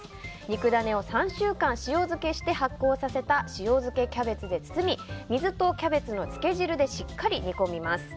肉ダネを３週間塩漬けして発酵させた塩漬けキャベツで包み水とキャベツの漬け汁でしっかり煮込みます。